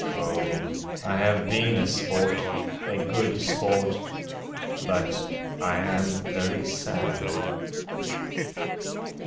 Oh, I have been a sport, a good sport; But I am very sad.